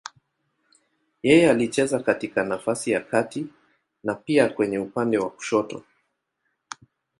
Yeye alicheza katika nafasi ya kati na pia kwenye upande wa kushoto.